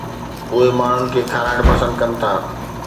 اهي ماڻهن کي کارائڻ پسند ڪن ٿا